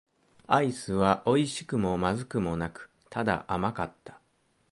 アイスは美味しくも不味くもなく、ただ甘かった。